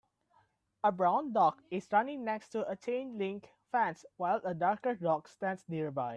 A brown dog is running next to a chain link fence while a darker dog stands nearby.